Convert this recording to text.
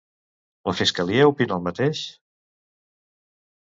La fiscalia opina el mateix?